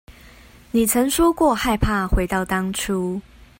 你曾說過害怕回到當初